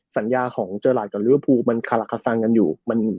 สัญญาของเจอร์หลัดกับเรื้อพูมันคาราคสรรค์กันอยู่